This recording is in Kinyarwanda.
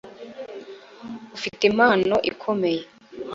Ufite impano ikomeye